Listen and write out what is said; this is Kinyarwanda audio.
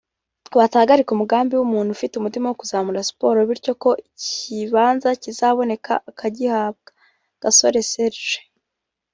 batahagarika umugambi w’umuntu ufite umutima wo kuzamura siporo bityo ko ikibanza kizaboneka akagihabwa (Gasore Serge)